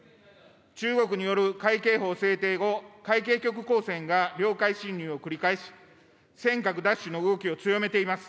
中国による海警法制定後、海警局公船が領海侵入を繰り返し、尖閣奪取の動きを強めています。